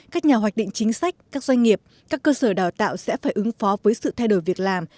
các nhà hoạch định chính sách các doanh nghiệp các cơ sở đào tạo sẽ phải ứng phó với sự thay đổi việc làm